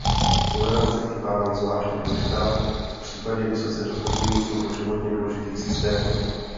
Tolerance k chybám je zvláště důležitá v případě vysoce dostupných nebo životně důležitých systémů.